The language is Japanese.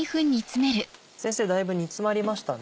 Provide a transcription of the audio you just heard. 先生だいぶ煮つまりましたね。